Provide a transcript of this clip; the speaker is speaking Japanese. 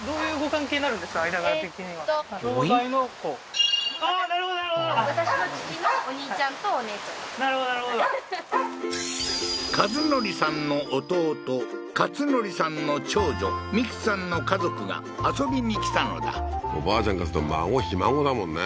間柄的にはああーなるほどなるほどなるほどなるほど和則さんの弟勝則さんの長女美紀さんの家族が遊びに来たのだおばあちゃんからすると孫ひ孫だもんね